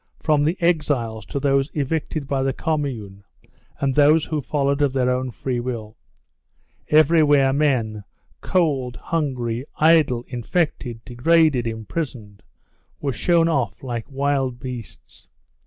From the exiles to those evicted by the Commune and those who followed of their own free will. Everywhere men, cold, hungry, idle, infected, degraded, imprisoned, were shown off like wild beasts.